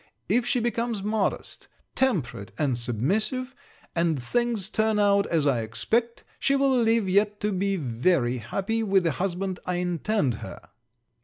If she becomes modest, temperate, and submissive, and things turn out as I expect, she will live yet to be very happy with the husband I intend her.'